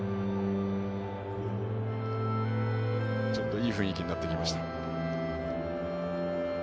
いい雰囲気になってきました。